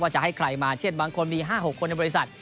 จะให้ใครมาเช่นบางคนมี๕๖คนในบริษัท